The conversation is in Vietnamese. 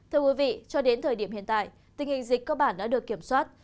thưa quý vị cho đến thời điểm hiện tại tình hình dịch cơ bản đã được kiểm soát